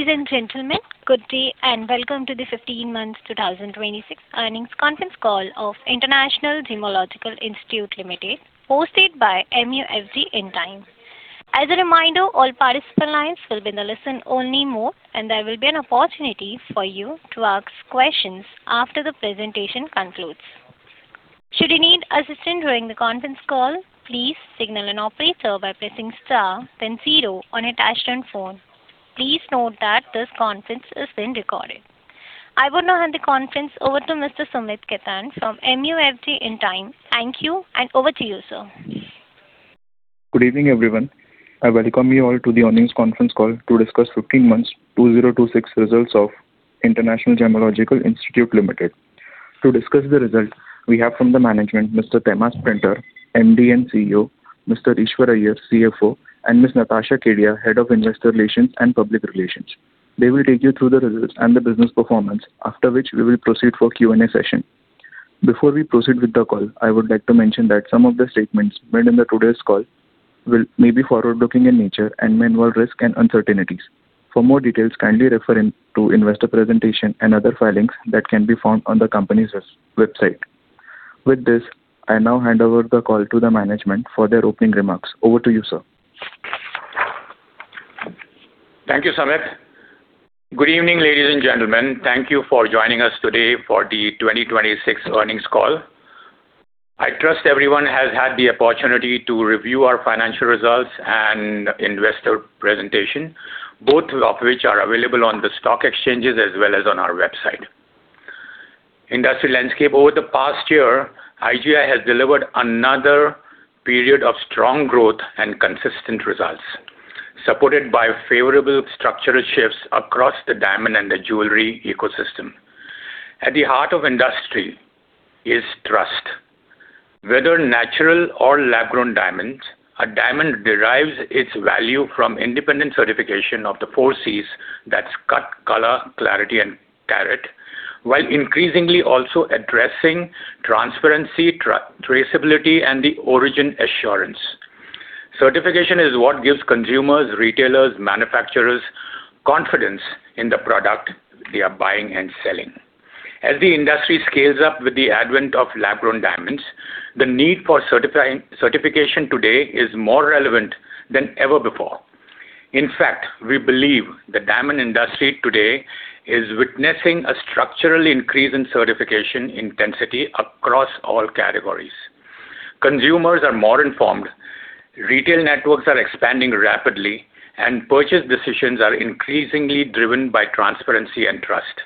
Ladies and gentlemen, good day and welcome to the 15 months 2026 earnings conference call of International Gemmological Institute Limited, hosted by MUFG Intime. As a reminder, all participant lines will be in a listen-only mode, and there will be an opportunity for you to ask questions after the presentation concludes. Should you need assistance during the conference call, please signal an operator by pressing star then zero on your touch-tone phone. Please note that this conference is being recorded. I would now hand the conference over to Mr. Sumeet Khaitan from MUFG Intime. Thank you. Over to you, sir. Good evening, everyone. I welcome you all to the earnings conference call to discuss 15 months 2026 results of International Gemmological Institute Limited. To discuss the results we have from the management, Mr. Tehmasp Printer, MD and CEO, Mr. Eashwar Iyer, CFO, and Ms. Natasha Kedia, Head of Investor Relations and Public Relations. They will take you through the results and the business performance, after which we will proceed for Q&A session. Before we proceed with the call, I would like to mention that some of the statements made in today's call may be forward-looking in nature and may involve risks and uncertainties. For more details, kindly refer to investor presentation and other filings that can be found on the company's website. With this, I now hand over the call to the management for their opening remarks. Over to you, sir. Thank you, Sumeet. Good evening, ladies and gentlemen. Thank you for joining us today for the 2026 earnings call. I trust everyone has had the opportunity to review our financial results and investor presentation, both of which are available on the stock exchanges as well as on our website. Industry landscape. Over the past year, IGI has delivered another period of strong growth and consistent results, supported by favorable structural shifts across the diamond and the jewelry ecosystem. At the heart of industry is trust. Whether natural or lab-grown diamonds, a diamond derives its value from independent certification of the 4 Cs, that's cut, color, clarity, and carat, while increasingly also addressing transparency, traceability, and origin assurance. Certification is what gives consumers, retailers, manufacturers confidence in the product they are buying and selling. As the industry scales up with the advent of lab-grown diamonds, the need for certification today is more relevant than ever before. In fact, we believe the diamond industry today is witnessing a structural increase in certification intensity across all categories. Consumers are more informed, retail networks are expanding rapidly, and purchase decisions are increasingly driven by transparency and trust.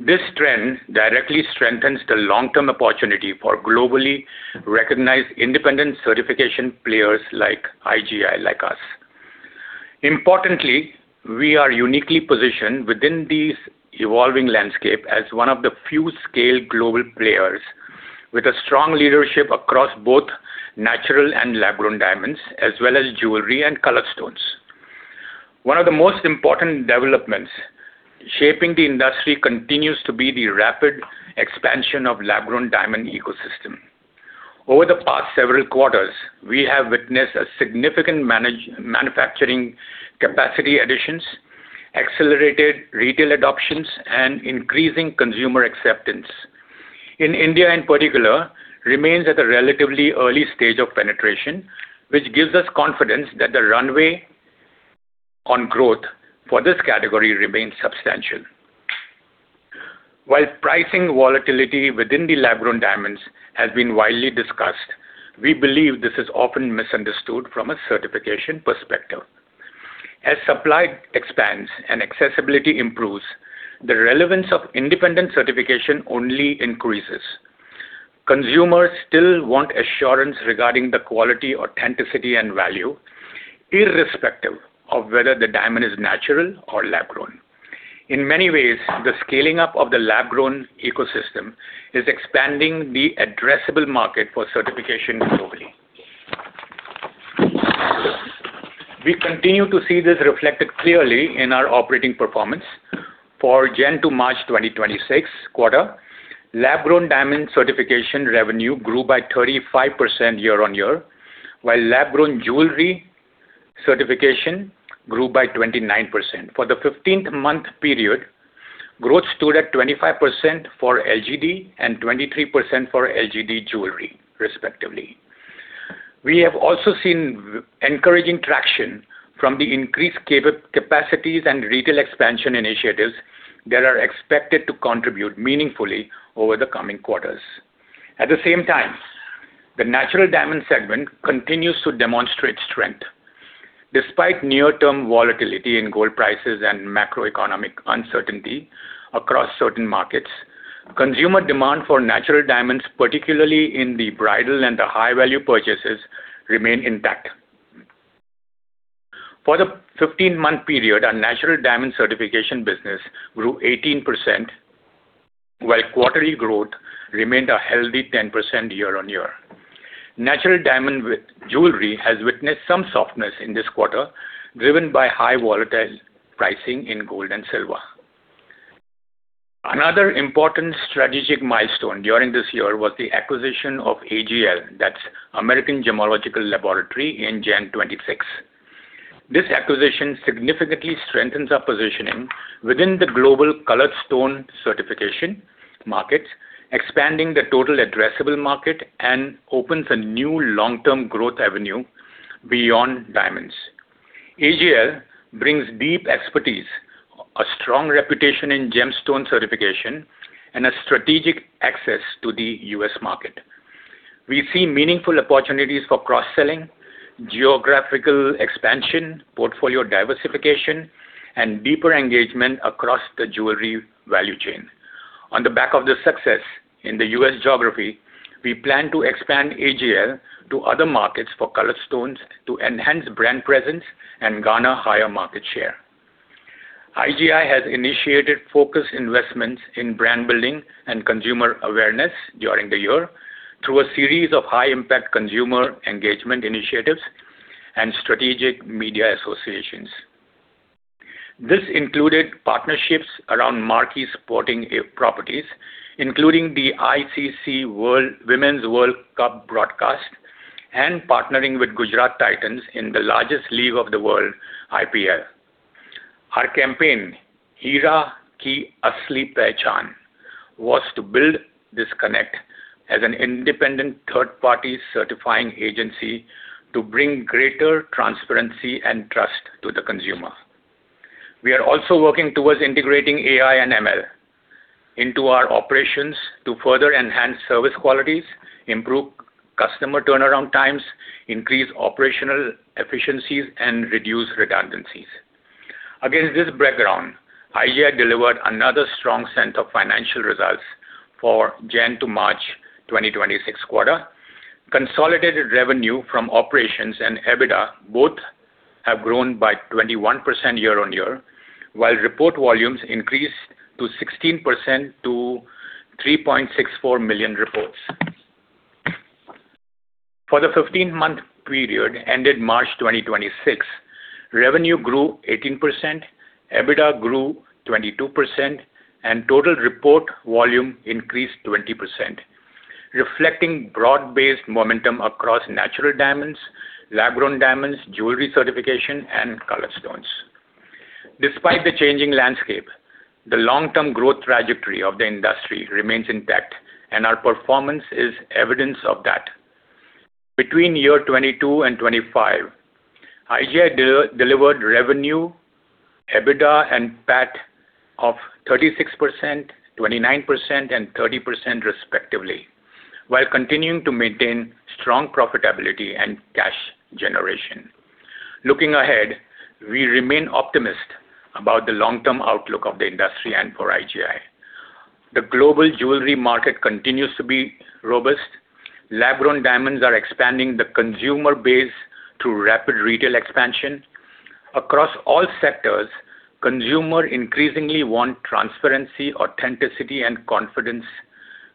This trend directly strengthens the long-term opportunity for globally recognized independent certification players like IGI, like us. Importantly, we are uniquely positioned within this evolving landscape as one of the few scaled global players with a strong leadership across both natural and lab-grown diamonds, as well as jewelry and colored stones. One of the most important developments shaping the industry continues to be the rapid expansion of lab-grown diamond ecosystem. Over the past several quarters, we have witnessed a significant manufacturing capacity additions, accelerated retail adoptions, and increasing consumer acceptance. In India, in particular, remains at a relatively early stage of penetration, which gives us confidence that the runway on growth for this category remains substantial. While pricing volatility within the lab-grown diamonds has been widely discussed, we believe this is often misunderstood from a certification perspective. As supply expands and accessibility improves, the relevance of independent certification only increases. Consumers still want assurance regarding the quality, authenticity, and value irrespective of whether the diamond is natural or lab-grown. In many ways, the scaling up of the lab-grown ecosystem is expanding the addressable market for certification globally. We continue to see this reflected clearly in our operating performance. For January to March 2026 quarter, lab-grown diamond certification revenue grew by 35% year-on-year, while lab-grown jewelry certification grew by 29%. For the 15-month period, growth stood at 25% for LGD and 23% for LGD jewelry respectively. We have also seen encouraging traction from the increased capacities and retail expansion initiatives that are expected to contribute meaningfully over the coming quarters. At the same time, the natural diamond segment continues to demonstrate strength. Despite near-term volatility in gold prices and macroeconomic uncertainty across certain markets, consumer demand for natural diamonds, particularly in the bridal and the high-value purchases, remain intact. For the 15-month period, our natural diamond certification business grew 18%, while quarterly growth remained a healthy 10% year-on-year. Natural diamond jewelry has witnessed some softness in this quarter, driven by high volatile pricing in gold and silver. Another important strategic milestone during this year was the acquisition of AGL, that's American Gemological Laboratories, in January 2026. This acquisition significantly strengthens our positioning within the global colored gemstone certification markets, expanding the total addressable market and opens a new long-term growth avenue beyond diamonds. AGL brings deep expertise, a strong reputation in gemstone certification, and a strategic access to the U.S. market. We see meaningful opportunities for cross-selling, geographical expansion, portfolio diversification, and deeper engagement across the jewelry value chain. On the back of the success in the U.S. geography, we plan to expand AGL to other markets for colored stones to enhance brand presence and garner higher market share. IGI has initiated focus investments in brand building and consumer awareness during the year through a series of high impact consumer engagement initiatives and strategic media associations. This included partnerships around marquee sporting properties, including the ICC Women's Cricket World Cup broadcast and partnering with Gujarat Titans in the largest league of the world, IPL. Our campaign was to build this connect as an independent third-party certifying agency to bring greater transparency and trust to the consumer. We are also working towards integrating AI and ML into our operations to further enhance service qualities, improve customer turnaround times, increase operational efficiencies, and reduce redundancies. Against this background, IGI delivered another strong set of financial results for January to March 2026 quarter. Consolidated revenue from operations and EBITDA both have grown by 21% year-on-year, while report volumes increased to 16% to 3.64 million reports. For the 15-month period ended March 2026, revenue grew 18%, EBITDA grew 22%, and total report volume increased 20%, reflecting broad-based momentum across natural diamonds, lab-grown diamonds, jewelry certification, and colored stones. Despite the changing landscape, the long-term growth trajectory of the industry remains intact, and our performance is evidence of that. Between year 2022 and 2025, IGI delivered revenue, EBITDA, and PAT of 36%, 29%, and 30% respectively, while continuing to maintain strong profitability and cash generation. Looking ahead, we remain optimistic about the long-term outlook of the industry and for IGI. The global jewelry market continues to be robust. Lab-grown diamonds are expanding the consumer base through rapid retail expansion. Across all sectors, consumers increasingly want transparency, authenticity, and confidence,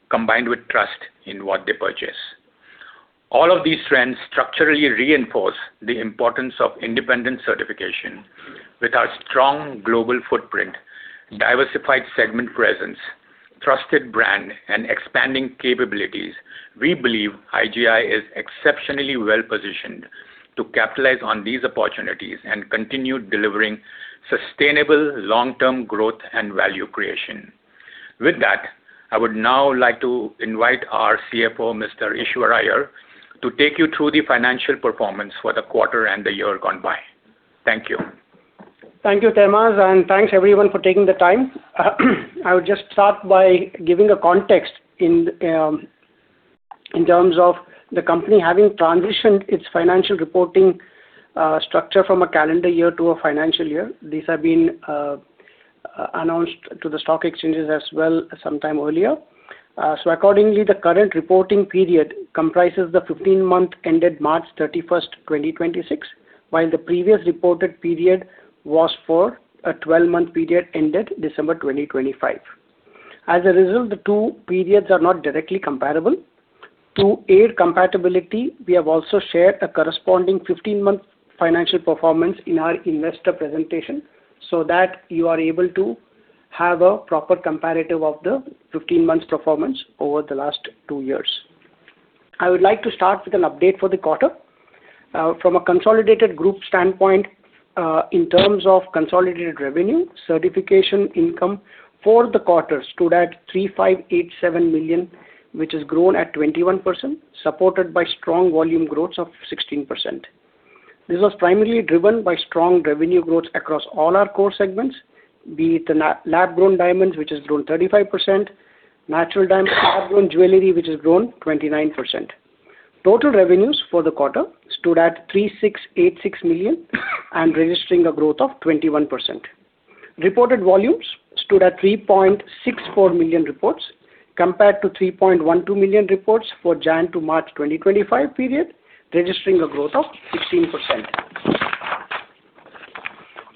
combined with trust in what they purchase. All of these trends structurally reinforce the importance of independent certification. With our strong global footprint, diversified segment presence, trusted brand, and expanding capabilities, we believe IGI is exceptionally well-positioned to capitalize on these opportunities and continue delivering sustainable long-term growth and value creation. With that, I would now like to invite our CFO, Mr. Eashwar Iyer, to take you through the financial performance for the quarter and the year gone by. Thank you. Thank you, Tehmasp. Thanks everyone for taking the time. I would just start by giving a context in terms of the company having transitioned its financial reporting structure from a calendar year to a financial year. These have been announced to the stock exchanges as well sometime earlier. Accordingly, the current reporting period comprises the 15-month ended March 31st, 2026, while the previous reported period was for a 12-month period ended December 2025. As a result, the two periods are not directly comparable. To aid compatibility, we have also shared a corresponding 15-month financial performance in our investor presentation so that you are able to have a proper comparative of the 15 months performance over the last two years. I would like to start with an update for the quarter. From a consolidated group standpoint, in terms of consolidated revenue, certification income for the quarter stood at 3,587 million, which has grown at 21%, supported by strong volume growth of 16%. This was primarily driven by strong revenue growth across all our core segments. Be it the lab-grown diamonds, which has grown 35%, natural diamonds lab-grown jewelry, which has grown 29%. Total revenues for the quarter stood at 3,686 million and registering a growth of 21%. Reported volumes stood at 3.64 million reports, compared to 3.12 million reports for January to March 2025 period, registering a growth of 16%.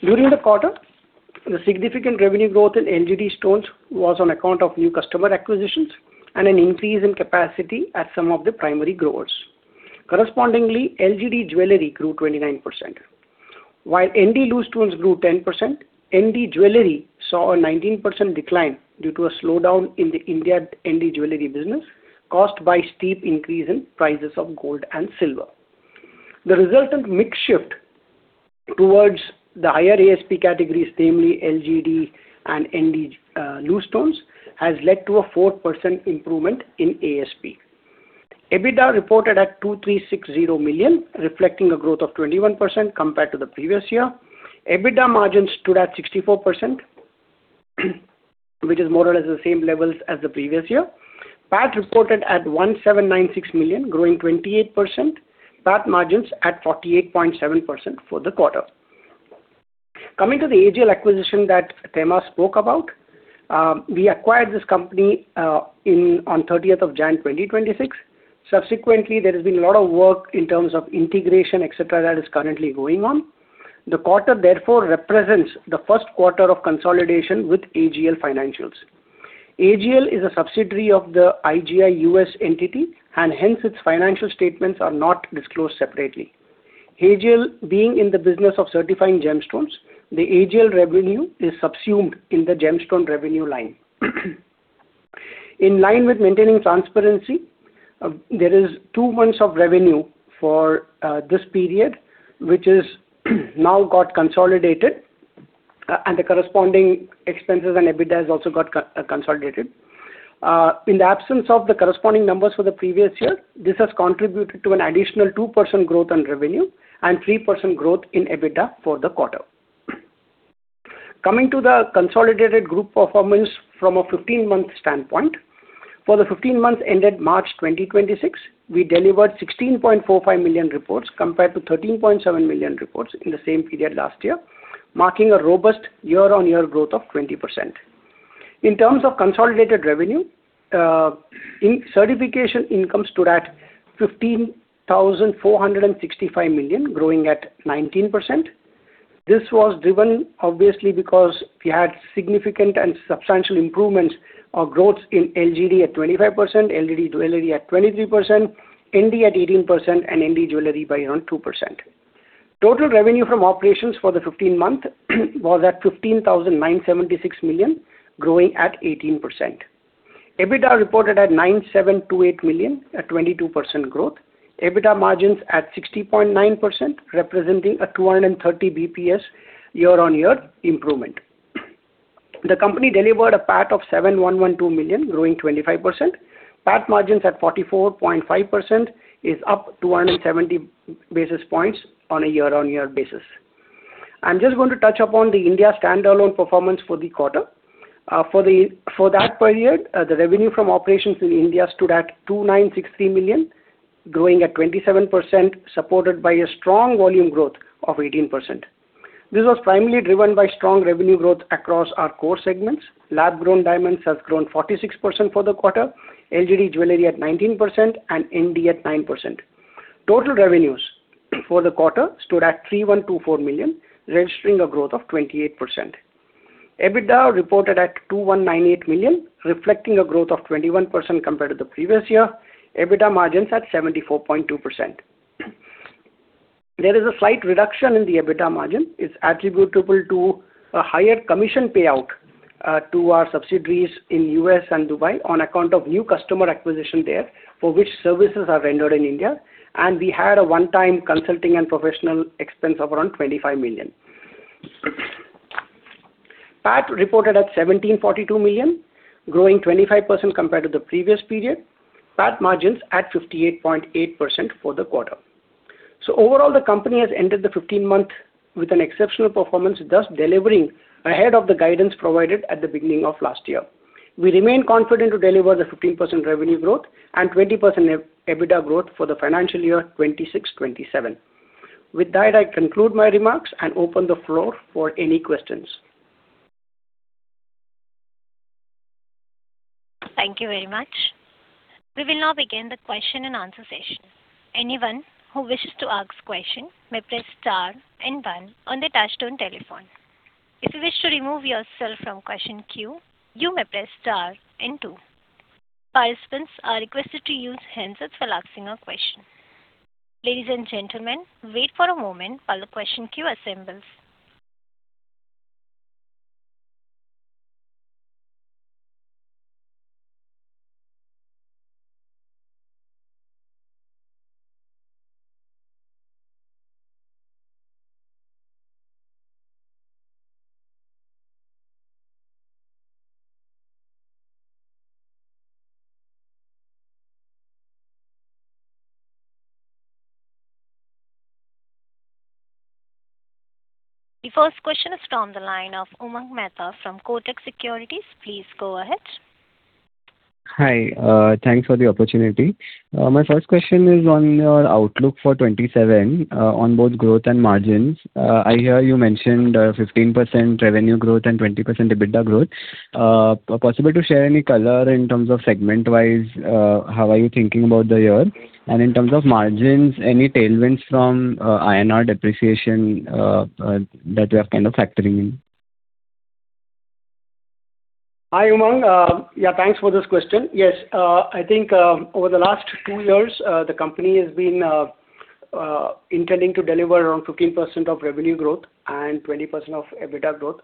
During the quarter, the significant revenue growth in LGD stones was on account of new customer acquisitions and an increase in capacity at some of the primary growers. Correspondingly, LGD jewelry grew 29%. While ND loose stones grew 10%, ND jewelry saw a 19% decline due to a slowdown in the India ND jewelry business caused by steep increase in prices of gold and silver. The resultant mix shift towards the higher ASP categories, namely LGD and ND loose stones, has led to a 4% improvement in ASP. EBITDA reported at 2,360 million, reflecting a growth of 21% compared to the previous year. EBITDA margin stood at 64%, which is more or less the same levels as the previous year. PAT reported at 1,796 million, growing 28%. PAT margins at 48.7% for the quarter. Coming to the AGL acquisition that Tehmasp spoke about. We acquired this company on 30th of January 2026. Subsequently, there has been a lot of work in terms of integration, et cetera, that is currently going on. The quarter therefore represents the first quarter of consolidation with AGL financials. AGL is a subsidiary of the IGI U.S. entity, and hence its financial statements are not disclosed separately. AGL being in the business of certifying gemstones, the AGL revenue is subsumed in the gemstone revenue line. In line with maintaining transparency, there is two months of revenue for this period, which is now got consolidated, and the corresponding expenses and EBITDA has also got consolidated. In the absence of the corresponding numbers for the previous year, this has contributed to an additional 2% growth in revenue and 3% growth in EBITDA for the quarter. Coming to the consolidated group performance from a 15-month standpoint. For the 15 months ended March 2026, we delivered 16.45 million reports, compared to 13.7 million reports in the same period last year, marking a robust year-on-year growth of 20%. In terms of consolidated revenue, certification income stood at 15,465 million, growing at 19%. This was driven obviously because we had significant and substantial improvements of growth in LGD at 25%, LGD jewelry at 23%, ND at 18%, and ND jewelry by around 2%. Total revenue from operations for the 15 month was at 15,976 million, growing at 18%. EBITDA reported at 9,728 million at 22% growth. EBITDA margins at 60.9%, representing a 230 basis points year-on-year improvement. The company delivered a PAT of 7,112 million, growing 25%. PAT margins at 44.5% is up 270 basis points on a year-on-year basis. I'm just going to touch upon the India standalone performance for the quarter. For that period, the revenue from operations in India stood at 2,963 million, growing at 27%, supported by a strong volume growth of 18%. This was primarily driven by strong revenue growth across our core segments. lab-grown diamonds has grown 46% for the quarter, LGD jewelry at 19% and ND at 9%. Total revenues for the quarter stood at 3,124 million, registering a growth of 28%. EBITDA reported at 2,198 million, reflecting a growth of 21% compared to the previous year. EBITDA margins at 74.2%. There is a slight reduction in the EBITDA margin. It is attributable to a higher commission payout to our subsidiaries in U.S. and Dubai on account of new customer acquisition there, for which services are rendered in India. We had a one-time consulting and professional expense of around $25 million. PAT reported at 1,742 million, growing 25% compared to the previous period. PAT margins at 58.8% for the quarter. Overall, the company has ended the 15 month with an exceptional performance, thus delivering ahead of the guidance provided at the beginning of last year. We remain confident to deliver the 15% revenue growth and 20% EBITDA growth for the financial year 2026, 2027. With that, I conclude my remarks and open the floor for any questions. Thank you very much. We will now begin the question and answer session. The first question is from the line of Umang Mehta from Kotak Securities. Please go ahead. Hi. Thanks for the opportunity. My first question is on your outlook for 2027 on both growth and margins. I hear you mentioned 15% revenue growth and 20% EBITDA growth. Possible to share any color in terms of segment-wise, how are you thinking about the year? In terms of margins, any tailwinds from INR depreciation that you are kind of factoring in? Hi, Umang. Yeah, thanks for this question. Yes. I think over the last two years, the company has been intending to deliver around 15% of revenue growth and 20% of EBITDA growth.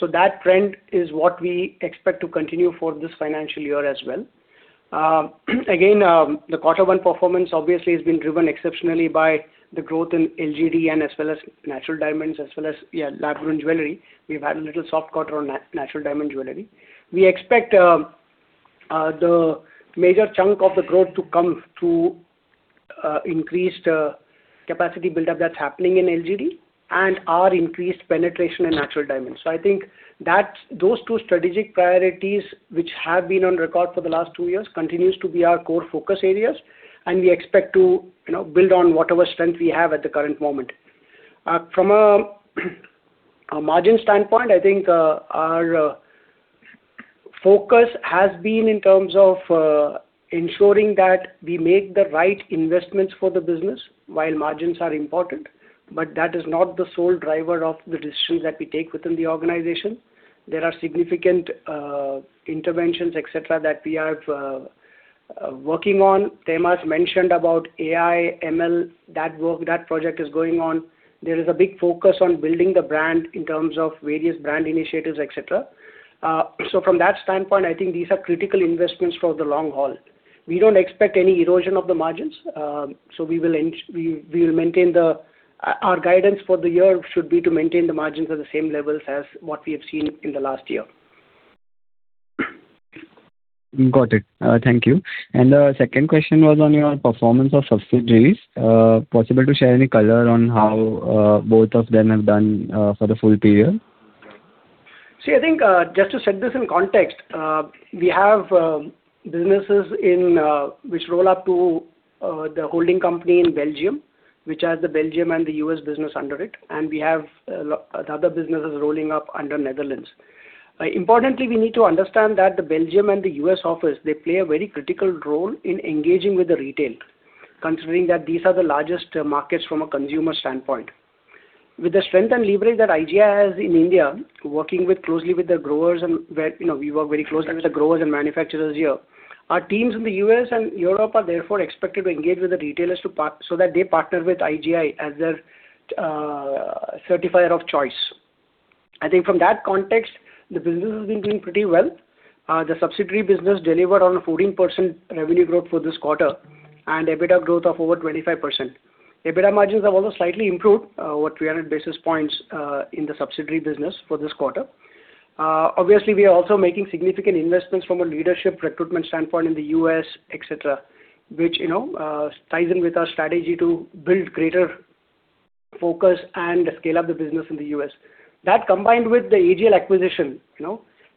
That trend is what we expect to continue for this financial year as well. Again, the quarter one performance obviously has been driven exceptionally by the growth in LGD and as well as natural diamonds as well as lab-grown jewelry. We've had a little soft quarter on natural diamond jewelry. We expect the major chunk of the growth to come through increased capacity buildup that's happening in LGD and our increased penetration in natural diamonds. I think those two strategic priorities, which have been on record for the last two years, continues to be our core focus areas, and we expect to build on whatever strength we have at the current moment. From a margin standpoint, I think our focus has been in terms of ensuring that we make the right investments for the business while margins are important, but that is not the sole driver of the decisions that we take within the organization. There are significant interventions, et cetera, that we are working on. Tehmasp Printer has mentioned about AI, ML. That project is going on. There is a big focus on building the brand in terms of various brand initiatives, et cetera. From that standpoint, I think these are critical investments for the long haul. We don't expect any erosion of the margins. Our guidance for the year should be to maintain the margins at the same levels as what we have seen in the last year. Got it. Thank you. The second question was on your performance of subsidiaries. Possible to share any color on how both of them have done for the full period? I think, just to set this in context, we have businesses which roll up to the holding company in Belgium, which has the Belgium and the U.S. business under it, and we have other businesses rolling up under Netherlands. Importantly, we need to understand that the Belgium and the U.S. office, they play a very critical role in engaging with the retail, considering that these are the largest markets from a consumer standpoint. With the strength and leverage that IGI has in India, working closely with the growers, and we work very closely with the growers and manufacturers here. Our teams in the U.S. and Europe are therefore expected to engage with the retailers, so that they partner with IGI as their certifier of choice. I think from that context, the business has been doing pretty well. The subsidiary business delivered on a 14% revenue growth for this quarter and EBITDA growth of over 25%. EBITDA margins have also slightly improved, over 300 basis points in the subsidiary business for this quarter. Obviously, we are also making significant investments from a leadership recruitment standpoint in the U.S., et cetera, which ties in with our strategy to build greater focus and scale up the business in the U.S. That, combined with the AGL acquisition.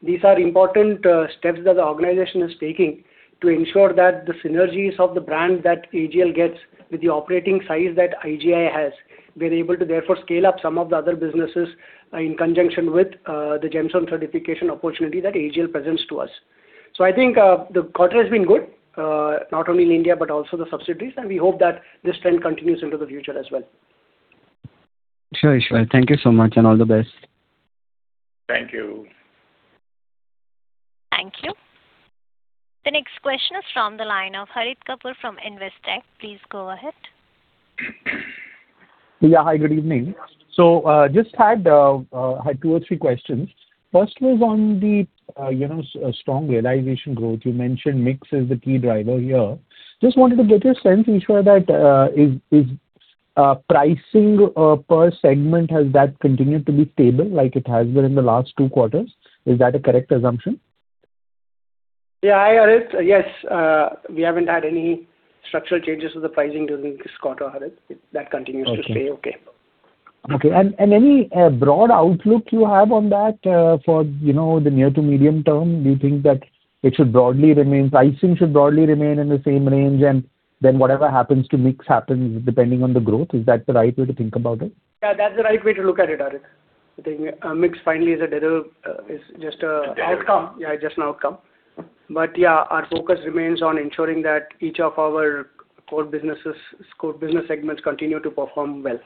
These are important steps that the organization is taking to ensure that the synergies of the brand that AGL gets with the operating size that IGI has, we're able to therefore scale up some of the other businesses in conjunction with the gemstone certification opportunity that AGL presents to us. I think the quarter has been good, not only in India, but also the subsidiaries, and we hope that this trend continues into the future as well. Sure, Eashwar. Thank you so much, and all the best. Thank you. Thank you. The next question is from the line of Harit Kapoor from Investec. Please go ahead. Yeah, hi, good evening. Just had two or three questions. First was on the strong realization growth. You mentioned mix is the key driver here. Just wanted to get a sense, Eashwar, that is pricing per segment, has that continued to be stable like it has been in the last two quarters? Is that a correct assumption? Yeah. Hi, Harit. Yes. We haven't had any structural changes to the pricing during this quarter, Harit. That continues to stay okay. Okay. Any broad outlook you have on that for the near to medium term? Do you think that pricing should broadly remain in the same range, and then whatever happens to mix happens depending on the growth? Is that the right way to think about it? Yeah, that's the right way to look at it, Harit. I think mix finally is just an outcome. Yeah, our focus remains on ensuring that each of our core business segments continue to perform well.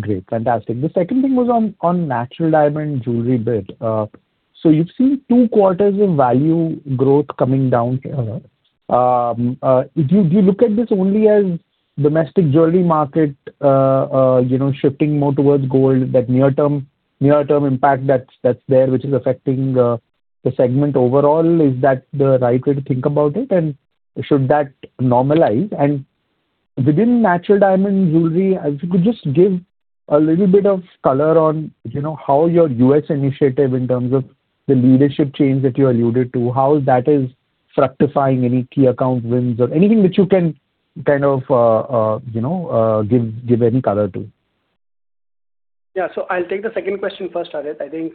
Great. Fantastic. The second thing was on natural diamond jewelry bid. You've seen two quarters of value growth coming down here. If you look at this only as domestic jewelry market shifting more towards gold, that near term impact that's there, which is affecting the segment overall. Is that the right way to think about it? Should that normalize? Within natural diamond jewelry, if you could just give a little bit of color on how your U.S. initiative, in terms of the leadership change that you alluded to, how that is fructifying any key account wins or anything which you can give any color to. Yeah. I'll take the second question first, Harit. I think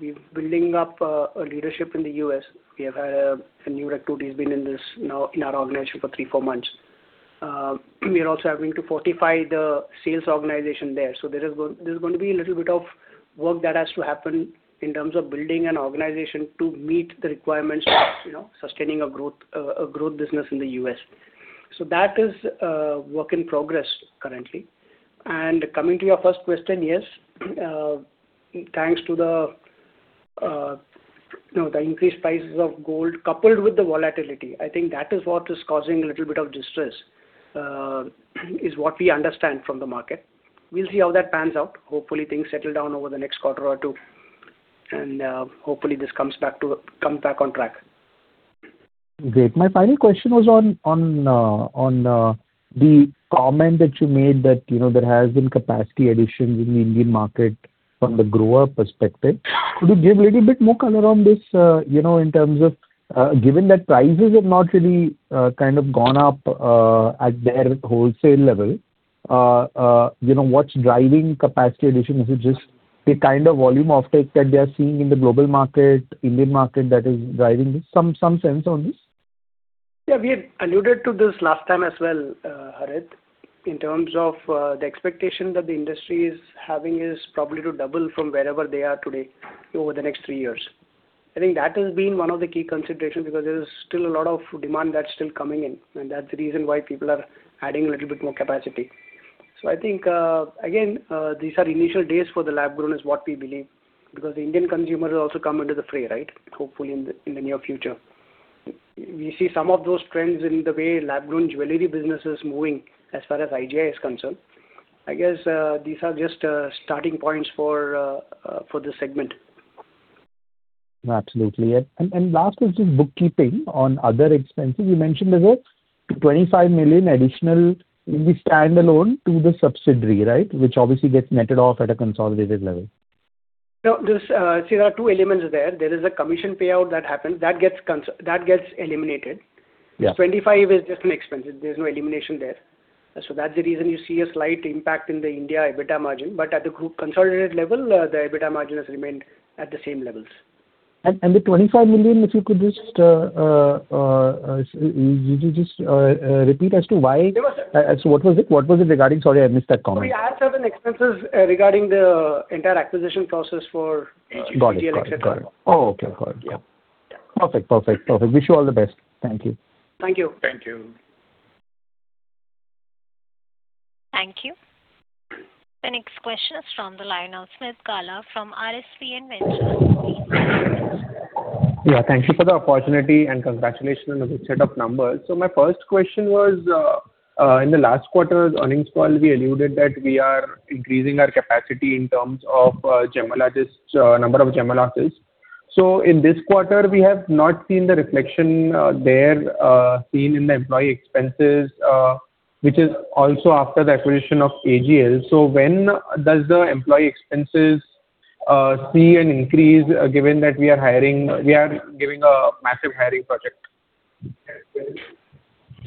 we're building up a leadership in the U.S. We have had a new recruit who's been in our organization for three, four months. We are also having to fortify the sales organization there. There is going to be a little bit of work that has to happen in terms of building an organization to meet the requirements of sustaining a growth business in the U.S. That is work in progress currently. Coming to your first question, yes, thanks to the increased prices of gold coupled with the volatility. I think that is what is causing a little bit of distress, is what we understand from the market. We'll see how that pans out. Hopefully, things settle down over the next quarter or two, and hopefully this comes back on track. Great. My final question was on the comment that you made that there has been capacity additions in the Indian market from the grower perspective. Could you give a little bit more color on this in terms of, given that prices have not really gone up at their wholesale level, what's driving capacity addition? Is it just the kind of volume uptake that they are seeing in the global market, Indian market that is driving this? Some sense on this. We had alluded to this last time as well, Harit, in terms of the expectation that the industry is having is probably to double from wherever they are today over the next three years. I think that has been one of the key considerations because there is still a lot of demand that's still coming in, and that's the reason why people are adding a little bit more capacity. I think, again, these are initial days for the lab-grown is what we believe, because the Indian consumer will also come into the fray, hopefully in the near future. We see some of those trends in the way lab-grown jewelry business is moving as far as IGI is concerned. These are just starting points for this segment. Absolutely. Last is just bookkeeping on other expenses. You mentioned there's a $25 million additional standalone to the subsidiary, which obviously gets netted off at a consolidated level. No. See, there are two elements there. There is a commission payout that happens. That gets eliminated. Yeah. 25 is just an expense. There's no elimination there. That's the reason you see a slight impact in the India EBITDA margin. At the group consolidated level, the EBITDA margin has remained at the same levels. The $25 million, if you could just repeat as to why? Yeah, sure. What was it regarding? Sorry, I missed that comment. Sorry, I had some expenses regarding the entire acquisition process for AGL et cetera. Got it. Okay. Got it. Yeah. Perfect. Wish you all the best. Thank you. Thank you. Thank you. The next question is from the line of Smit Gala from RSPN Ventures. Yeah. Thank you for the opportunity and congratulations on a good set of numbers. My first question was, in the last quarter's earnings call, we alluded that we are increasing our capacity in terms of number of gemologists. In this quarter, we have not seen the reflection there seen in the employee expenses, which is also after the acquisition of AGL. When does the employee expenses see an increase, given that we are giving a massive hiring project?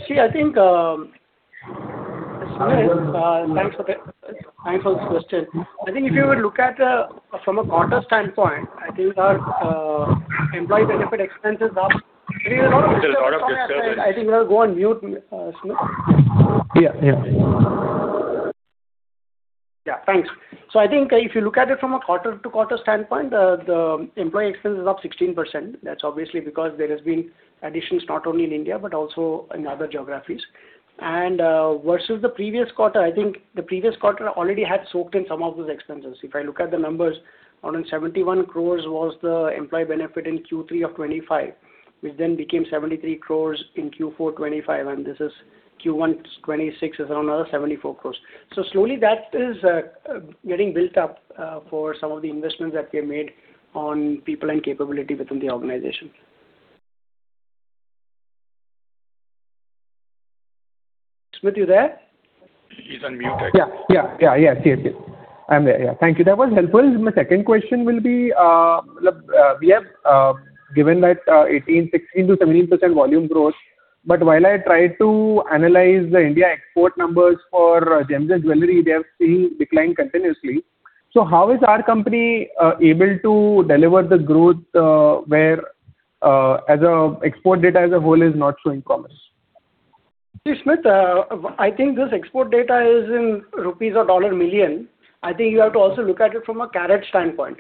Sure. Thanks for the question. I think if you were to look at from a quarter standpoint, I think our employee benefit expenses are. There's a lot of disturbance. I think we'll go on mute, Smit. Yeah. Thanks. I think if you look at it from a quarter-to-quarter standpoint, the employee expense is up 16%. That is obviously because there has been additions not only in India but also in other geographies. Versus the previous quarter, I think the previous quarter already had soaked in some of those expenses. If I look at the numbers, 71 crores was the employee benefit in Q3 of 2025, which then became 73 crores in Q4 2025, and this is Q1 2026 is around 74 crores. Slowly that is getting built up for some of the investments that we have made on people and capability within the organization. Smit, you there? He's unmuted. Yeah. Yes. I'm there. Yeah. Thank you. That was helpful. My second question will be, given that 16%-17% volume growth, while I tried to analyze the India export numbers for gems and jewelry, they are seeing decline continuously. How is our company able to deliver the growth, where export data as a whole is not showing promise? See, Smit, I think this export data is in INR or dollar million. I think you have to also look at it from a carat standpoint,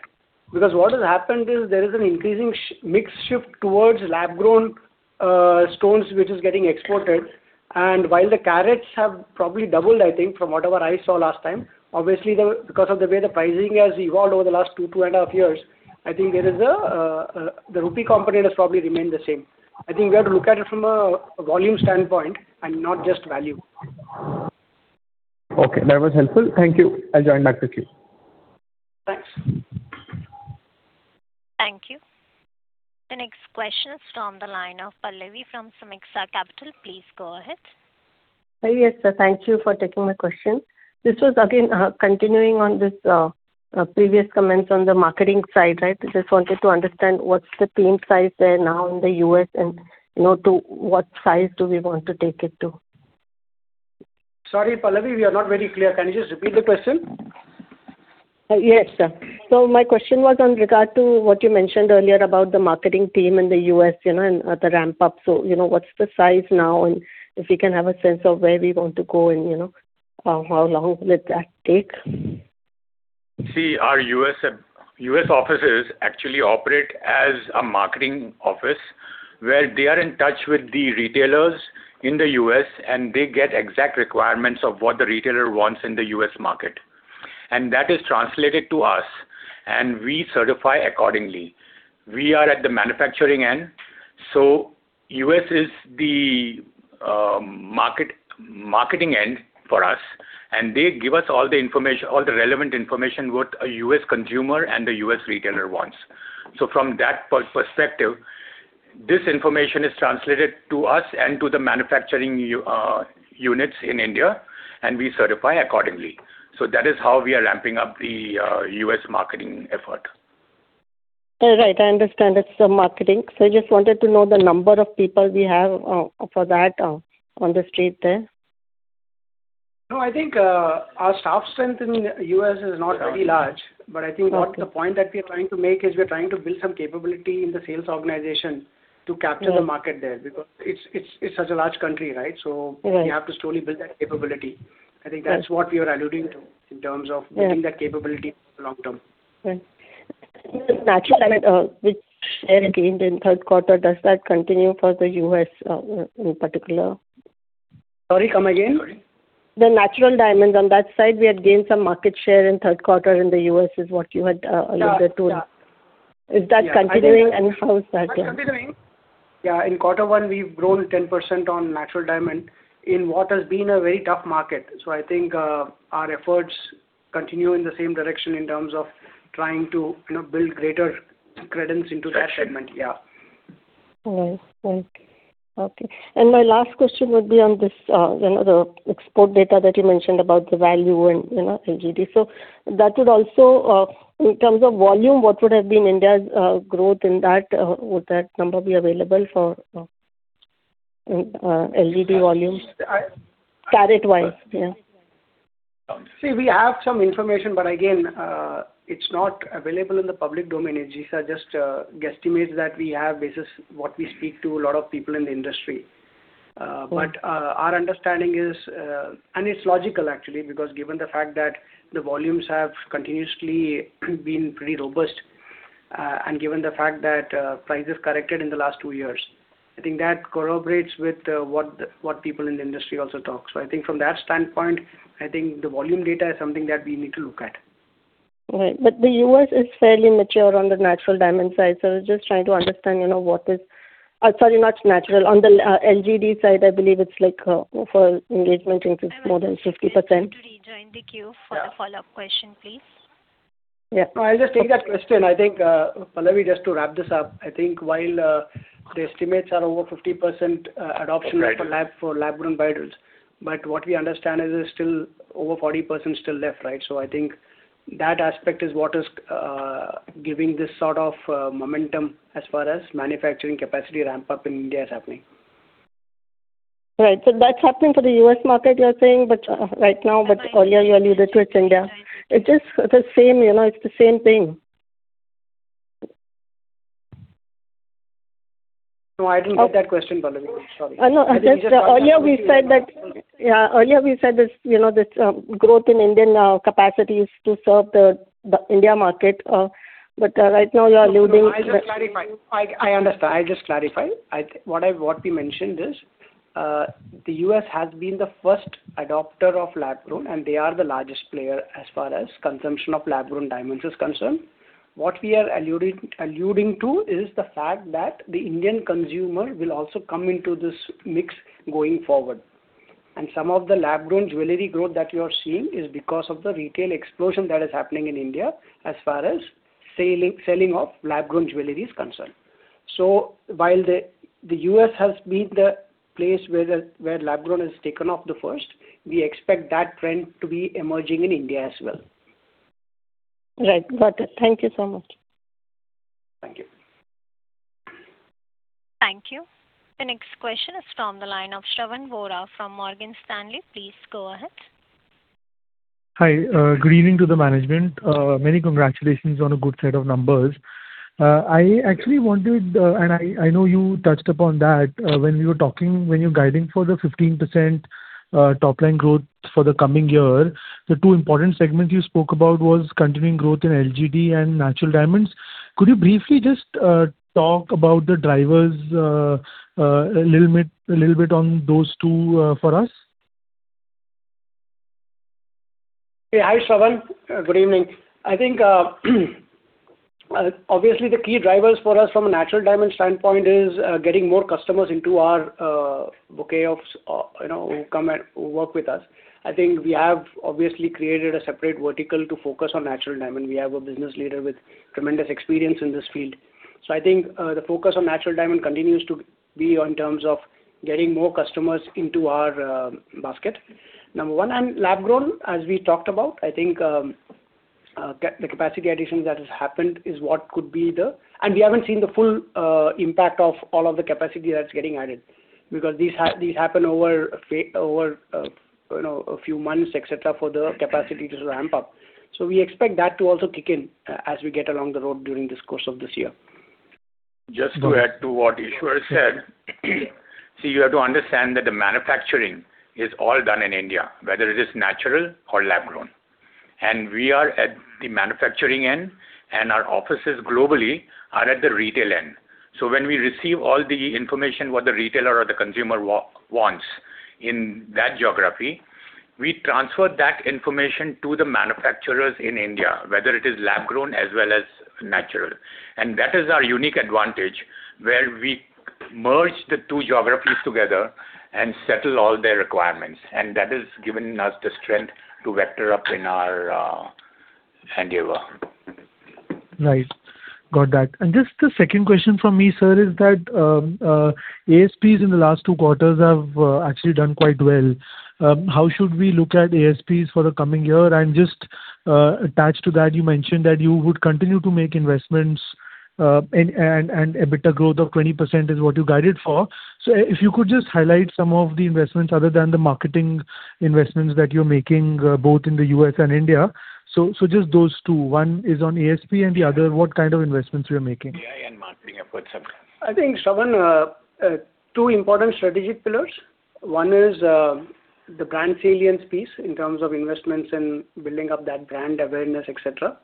because what has happened is there is an increasing mix shift towards lab-grown stones which is getting exported. While the carats have probably doubled, I think, from whatever I saw last time, obviously because of the way the pricing has evolved over the last 2.5 years, I think the INR component has probably remained the same. I think we have to look at it from a volume standpoint and not just value. Okay. That was helpful. Thank you. I'll join back with you. Thanks. Thank you. The next question is from the line of Pallavi from Sameeksha Capital. Please go ahead. Yes, sir. Thank you for taking my question. This was again continuing on this previous comments on the marketing side. I just wanted to understand what's the team size there now in the U.S., and to what size do we want to take it to? Sorry, Pallavi, we are not very clear. Can you just repeat the question? Yes, sir. My question was on regard to what you mentioned earlier about the marketing team in the U.S. and the ramp-up. What's the size now, and if we can have a sense of where we want to go and how long will that take? Our U.S. offices actually operate as a marketing office where they are in touch with the retailers in the U.S., and they get exact requirements of what the retailer wants in the U.S. market. That is translated to us, and we certify accordingly. We are at the manufacturing end, so U.S. is the marketing end for us, and they give us all the relevant information, what a U.S. consumer and the U.S. retailer wants. From that perspective, this information is translated to us and to the manufacturing units in India, and we certify accordingly. That is how we are ramping up the U.S. marketing effort. Right. I understand it's the marketing. I just wanted to know the number of people we have for that on the street there. I think our staff strength in the U.S. is not very large, but I think what the point that we're trying to make is we're trying to build some capability in the sales organization to capture the market there, because it's such a large country, right? Right. We have to slowly build that capability. I think that's what we are alluding to. Yeah. In terms of building that capability for the long term. Right. Which share gained in third quarter, does that continue for the U.S. in particular? Sorry, come again. The natural diamonds. On that side, we had gained some market share in third quarter in the U.S., is what you had alluded to. Yeah. Is that continuing, and how is that? It's continuing. Yeah. In quarter one, we've grown 10% on natural diamond in what has been a very tough market. I think our efforts continue in the same direction in terms of trying to build greater credence into that segment. Yeah. Right. Okay. My last question would be on the export data that you mentioned about the value and LGD. That would also, in terms of volume, what would have been India's growth in that? Would that number be available for LGD volumes carat-wise? Yeah. See, we have some information, but again, it's not available in the public domain, these are just guesstimates that we have versus what we speak to a lot of people in the industry. Okay. Our understanding is, and it's logical actually, because given the fact that the volumes have continuously been pretty robust, and given the fact that prices corrected in the last two years, I think that corroborates with what people in the industry also talk. I think from that standpoint, I think the volume data is something that we need to look at. Right. The U.S. is fairly mature on the natural diamond side, so I was just trying to understand what is Sorry, not natural. On the LGD side, I believe it's like for engagement rings, it's more than 50%. I would like you to rejoin the queue for the follow-up question, please. Yeah. No, I'll just take that question. Pallavi, just to wrap this up, I think while the estimates are over 50% adoption rate for lab-grown buyers, but what we understand is there's still over 40% still left. I think that aspect is what is giving this sort of momentum as far as manufacturing capacity ramp-up in India is happening. Right. That's happening for the U.S. market, you're saying, but right now, what earlier you alluded to, it's India. It's the same thing. No, I didn't get that question, Pallavi. Sorry. No. Earlier we said that this growth in Indian capacity is to serve the India market. Right now you're alluding. No, I understand. I'll just clarify. What we mentioned is, the U.S. has been the first adopter of lab-grown, and they are the largest player as far as consumption of lab-grown diamonds is concerned. What we are alluding to is the fact that the Indian consumer will also come into this mix going forward. Some of the lab-grown jewelry growth that you are seeing is because of the retail explosion that is happening in India as far as selling of lab-grown jewelry is concerned. While the U.S. has been the place where lab-grown has taken off the first, we expect that trend to be emerging in India as well. Right. Got it. Thank you so much. Thank you. Thank you. The next question is from the line of Shravan Vora from Morgan Stanley. Please go ahead. Hi. Good evening to the management. Many congratulations on a good set of numbers. I know you touched upon that when you were guiding for the 15% top-line growth for the coming year. The two important segments you spoke about was continuing growth in LGD and natural diamonds. Could you briefly just talk about the drivers a little bit on those two for us? Hi, Shravan. Good evening. Obviously the key drivers for us from a natural diamond standpoint is getting more customers into our bouquet who work with us. We have obviously created a separate vertical to focus on natural diamond. We have a business leader with tremendous experience in this field. The focus on natural diamond continues to be on terms of getting more customers into our basket. Number one, lab-grown, as we talked about, the capacity addition that has happened. We haven't seen the full impact of all of the capacity that's getting added, because these happen over a few months, et cetera, for the capacity to ramp up. We expect that to also kick in as we get along the road during this course of this year. Just to add to what Eashwar said, you have to understand that the manufacturing is all done in India, whether it is natural or lab-grown. We are at the manufacturing end, and our offices globally are at the retail end. When we receive all the information, what the retailer or the consumer wants in that geography, we transfer that information to the manufacturers in India, whether it is lab-grown as well as natural. That is our unique advantage, where we merge the two geographies together and settle all their requirements. That has given us the strength to vector up in our endeavor. Right. Got that. Just the second question from me, sir, is that ASPs in the last two quarters have actually done quite well. How should we look at ASPs for the coming year? Just attached to that, you mentioned that you would continue to make investments, and EBITDA growth of 20% is what you guided for. If you could just highlight some of the investments other than the marketing investments that you're making, both in the U.S. and India. Just those two, one is on ASP and the other, what kind of investments you're making. Yeah, marketing efforts. I think, Shravan, two important strategic pillars. One is the brand salience piece in terms of investments and building up that brand awareness, et cetera,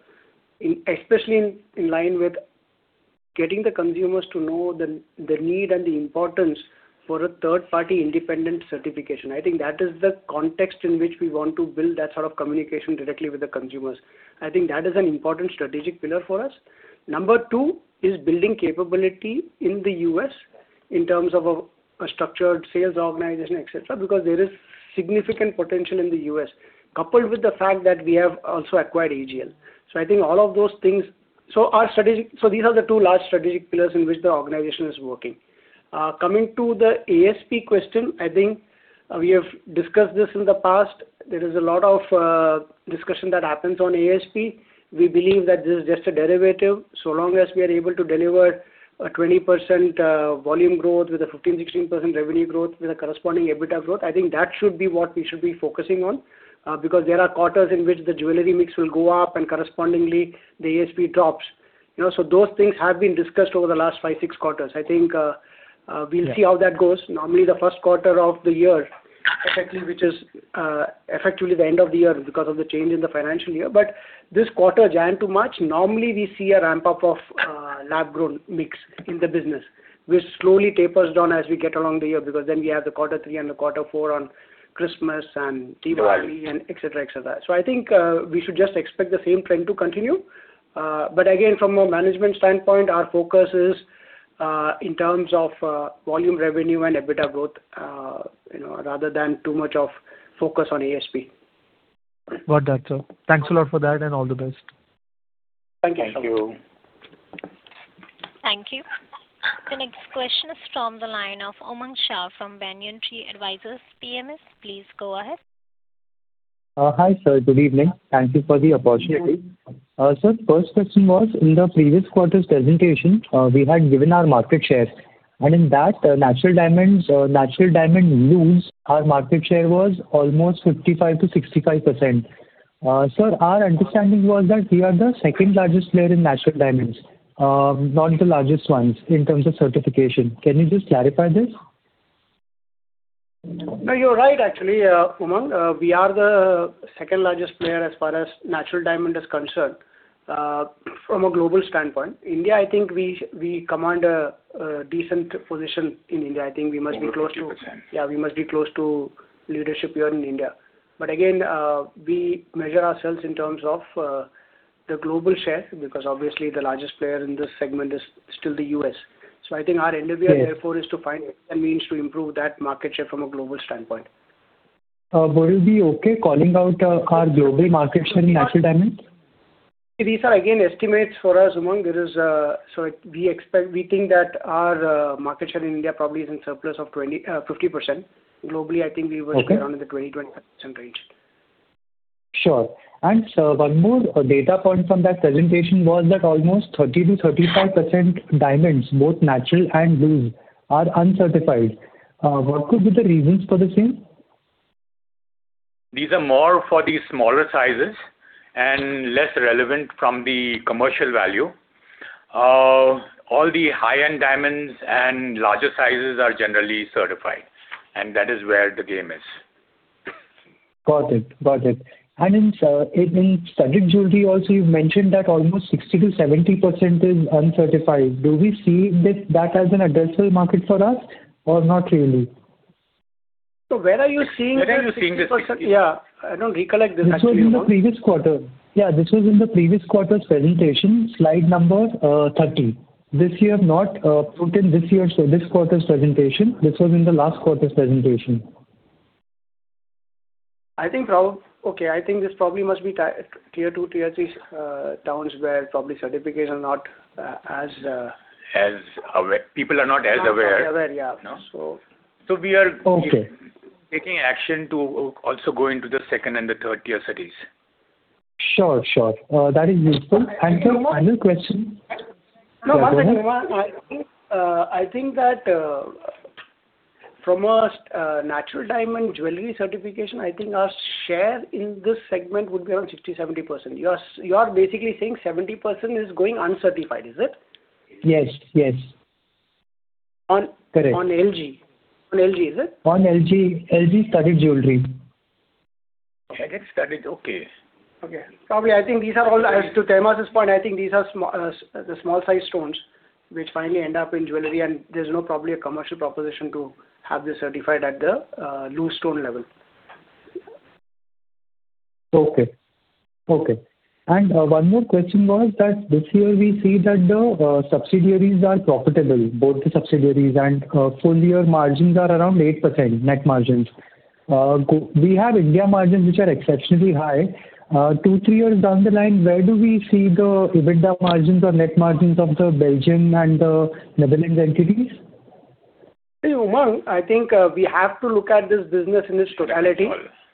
especially in line with getting the consumers to know the need and the importance for a third-party independent certification. I think that is the context in which we want to build that sort of communication directly with the consumers. I think that is an important strategic pillar for us. Number two is building capability in the U.S. in terms of a structured sales organization, et cetera, because there is significant potential in the U.S., coupled with the fact that we have also acquired AGL. I think all of those things. These are the two large strategic pillars in which the organization is working. Coming to the ASP question, I think we have discussed this in the past. There is a lot of discussion that happens on ASP. We believe that this is just a derivative. Long as we are able to deliver a 20% volume growth with a 15%-16% revenue growth with a corresponding EBITDA growth, I think that should be what we should be focusing on. There are quarters in which the jewelry mix will go up, and correspondingly, the ASP drops. Those things have been discussed over the last five to six quarters. I think we'll see how that goes. Normally, the first quarter of the year, effectively the end of the year because of the change in the financial year. This quarter, January to March, normally we see a ramp-up of lab-grown mix in the business, which slowly tapers down as we get along the year because then we have the quarter three and the quarter four on Christmas and Q3 and et cetera. I think we should just expect the same trend to continue. Again, from a management standpoint, our focus is in terms of volume revenue and EBITDA growth rather than too much of focus on ASP. Got that, sir. Thanks a lot for that and all the best. Thank you. Thank you. Thank you. The next question is from the line of Umang Shah from Banyan Tree Advisors, PMS. Please go ahead. Hi, sir. Good evening. Thank you for the opportunity. Sir, first question was, in the previous quarter's presentation, we had given our market share, and in that, natural diamond volumes, our market share was almost 55%-65%. Sir, our understanding was that we are the second-largest player in natural diamonds, not the largest ones in terms of certification. Can you just clarify this? No, you're right, actually, Umang. We are the second-largest player as far as natural diamond is concerned from a global standpoint. India, I think we command a decent position in India. I think we must be close to. Over 50%. We must be close to leadership here in India. Again, we measure ourselves in terms of the global share because obviously the largest player in this segment is still the U.S. I think our endeavor therefore is to find means to improve that market share from a global standpoint. Will you be okay calling out our global market share in natural diamonds? These are again estimates for us, Umang. We think that our market share in India probably is in surplus of 50%. Globally, I think we will stay around in the 20%-25% range. Sure. Sir, one more data point from that presentation was that almost 30%-35% diamonds, both natural and loose, are uncertified. What could be the reasons for the same? These are more for the smaller sizes and less relevant from the commercial value. All the high-end diamonds and larger sizes are generally certified, and that is where the game is. Got it. In studded jewelry also, you've mentioned that almost 60%-70% is uncertified. Do we see that as an addressable market for us or not really? Where are you seeing this 60%? Where are you seeing this 60%? Yeah. I don't recollect this actually. This was in the previous quarter. Yeah, this was in the previous quarter's presentation, slide number 30. This year, not put in this quarter's presentation. This was in the last quarter's presentation. Okay. I think this probably must be tier 2, tier 3 towns where probably certification are not. People are not as aware. Not that aware, yeah. We are taking action to also go into the second and the third tier cities. Sure. That is useful. Sir, final question. No, one second, Umang. I think From a natural diamond jewelry certification, I think our share in this segment would be around 60%, 70%. You are basically saying 70% is going uncertified, is it? Yes. Correct. On LGD, is it? On LGD jewelry. Okay, get studied. Okay. Okay. Probably, to Tehmasp's point, I think these are the small size stones which finally end up in jewelry, and there's no probably a commercial proposition to have this certified at the loose stone level. Okay. One more question was that this year we see that the subsidiaries are profitable, both the subsidiaries, and full year margins are around 8%, net margins. We have India margins which are exceptionally high. Two, three years down the line, where do we see the EBITDA margins or net margins of the Belgium and the Netherlands entities? Umang, I think we have to look at this business in its totality.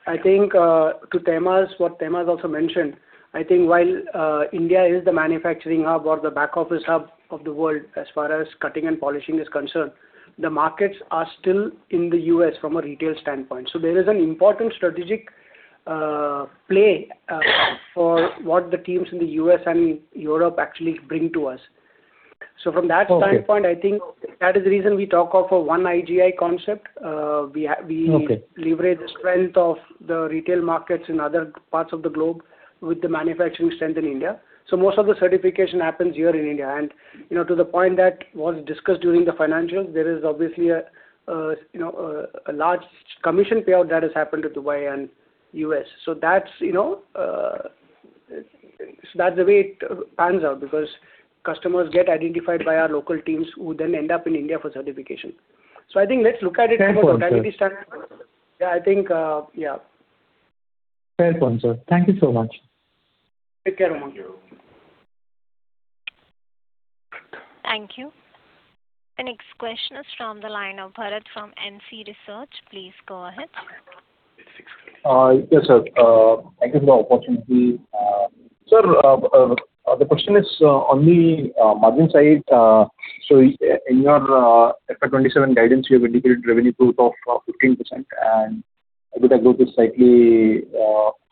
I think, to what Tehmasp also mentioned, I think while India is the manufacturing hub or the back office hub of the world, as far as cutting and polishing is concerned, the markets are still in the U.S. from a retail standpoint. There is an important strategic play for what the teams in the U.S. and Europe actually bring to us. From that standpoint, I think that is the reason we talk of a one IGI concept. Okay. We leverage the strength of the retail markets in other parts of the globe with the manufacturing strength in India. Most of the certification happens here in India. To the point that was discussed during the financials, there is obviously a large commission payout that has happened to Dubai and U.S. That's the way it pans out because customers get identified by our local teams who then end up in India for certification. I think let's look at it from a totality standpoint. I think. Fair point, sir. Thank you so much. Take care, Umang. Thank you. Thank you. The next question is from the line of Bharat from MC Research. Please go ahead. Yes, sir. Thank you for the opportunity. Sir, the question is on the margin side. In your FY 2027 guidance, you have indicated revenue growth of 15% and EBITDA growth is slightly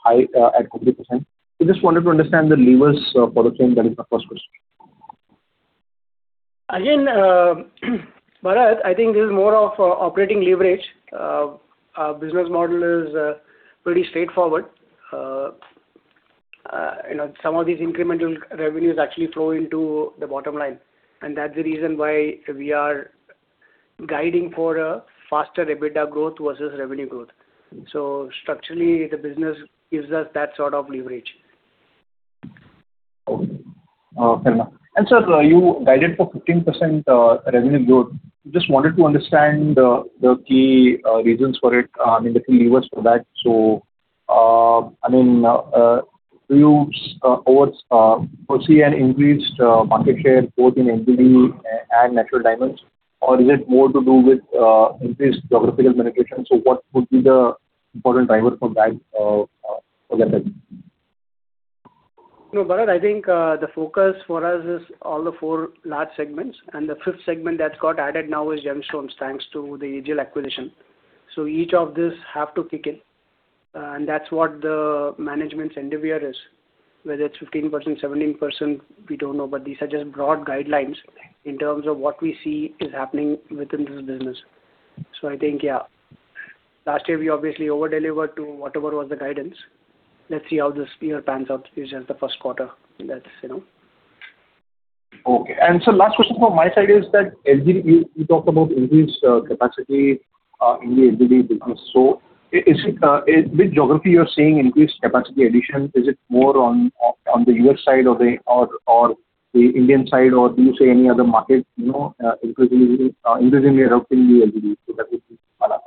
high at 30%. I just wanted to understand the levers for the same. That is my first question. Bharat, I think this is more of operating leverage. Our business model is pretty straightforward. Some of these incremental revenues actually flow into the bottom line. That's the reason why we are guiding for a faster EBITDA growth versus revenue growth. Structurally, the business gives us that sort of leverage. Okay, fair enough. Sir, you guided for 15% revenue growth. Just wanted to understand the key reasons for it, I mean, the key levers for that. Do you foresee an increased market share both in LGD and natural diamonds, or is it more to do with increased geographical penetration? What would be the important driver for that? Bharat, the focus for us is all the four large segments, the fifth segment that's got added now is gemstones, thanks to the AGL acquisition. Each of these have to kick in, that's what the management's endeavor is. Whether it's 15%, 17%, we don't know, these are just broad guidelines in terms of what we see is happening within this business. Last year, we obviously over-delivered to whatever was the guidance. Let's see how this year pans out. This is just the first quarter. Okay. Sir, last question from my side is that you talked about increased capacity in the LGD business. Which geography you're seeing increased capacity addition? Is it more on the U.S. side or the Indian side, or do you see any other market increasingly helping the LGD? That would be my last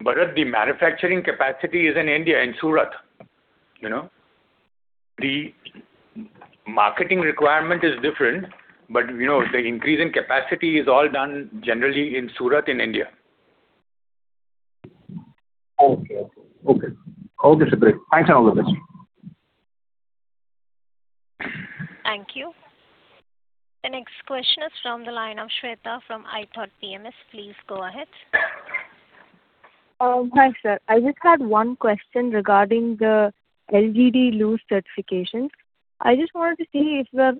question. Bharat, the manufacturing capacity is in India, in Surat. The marketing requirement is different, but the increase in capacity is all done generally in Surat, in India. Okay. All good, sir. Thanks, and all the best. Thank you. The next question is from the line of Shweta from ithoughtPMS. Please go ahead. Hi, sir. I just had one question regarding the LGD loose certifications. I just wanted to see if you are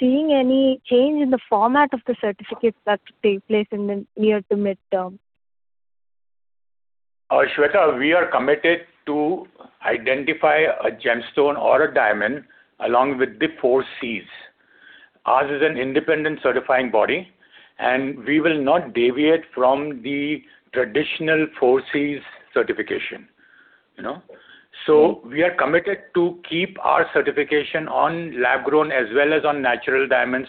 seeing any change in the format of the certificates that take place in the near to mid-term. Shweta, we are committed to identify a gemstone or a diamond along with the 4 Cs. Ours is an independent certifying body, and we will not deviate from the traditional 4 Cs certification. We are committed to keep our certification on lab-grown as well as on natural diamonds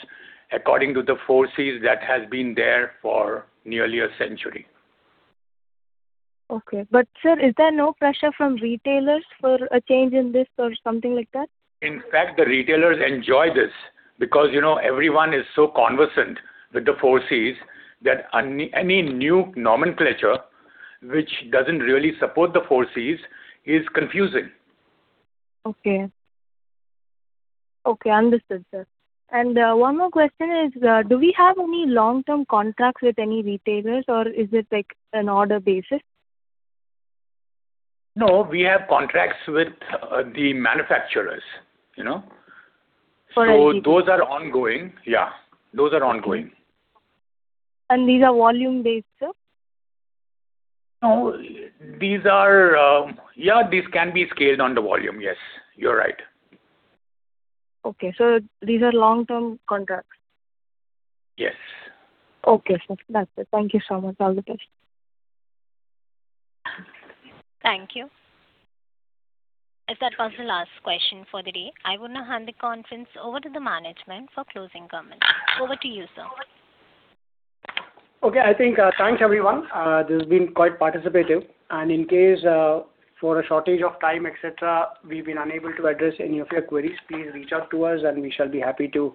according to the 4 Cs that has been there for nearly a century. Okay. Sir, is there no pressure from retailers for a change in this or something like that? In fact, the retailers enjoy this because everyone is so conversant with the 4Cs that any new nomenclature, which doesn't really support the 4Cs, is confusing. Okay. Understood, sir. One more question is, do we have any long-term contracts with any retailers, or is it like an order basis? No, we have contracts with the manufacturers. For LGD? Those are ongoing. Yeah. Those are ongoing. These are volume-based, sir? No. Yeah, these can be scaled on the volume. Yes, you're right. Okay. These are long-term contracts? Yes. Okay, sir. That's it. Thank you so much. All the best. Thank you. As that was the last question for the day, I would now hand the conference over to the management for closing comments. Over to you, sir. Okay. I think, thanks everyone. This has been quite participative, and in case for a shortage of time, et cetera, we've been unable to address any of your queries. Please reach out to us and we shall be happy to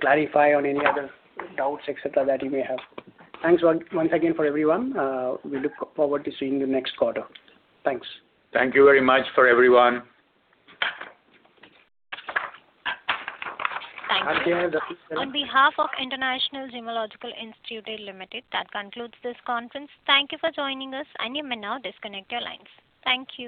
clarify on any other doubts, et cetera, that you may have. Thanks once again for everyone. We look forward to seeing you next quarter. Thanks. Thank you very much for everyone. Thank you. On behalf of International Gemmological Institute Limited, that concludes this conference. Thank you for joining us, and you may now disconnect your lines. Thank you.